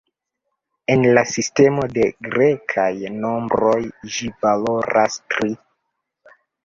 En la sistemo de grekaj nombroj ĝi valoras tri.